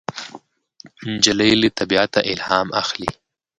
نجلۍ له طبیعته الهام اخلي.